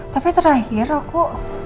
tapi terakhir aku